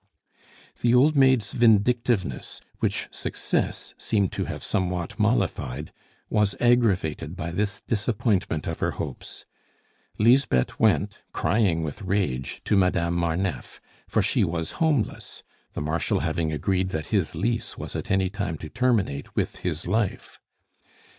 The old maid's vindictiveness, which success seemed to have somewhat mollified, was aggravated by this disappointment of her hopes. Lisbeth went, crying with rage, to Madame Marneffe; for she was homeless, the Marshal having agreed that his lease was at any time to terminate with his life.